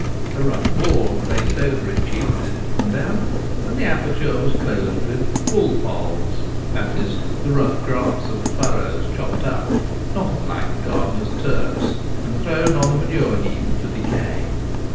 A rough board placed over it shielded it from damp ; and the aperture was closed with 'bull polls' — that is, the rough grass of the furrows chopped up (not unlike the gardener's ' turves ')— and thrown on the manure heap to decay.